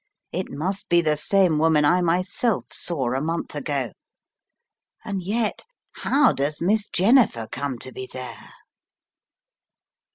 It must be the same woman I myself saw a month ago; and yet how does Miss Jennifer come to be there?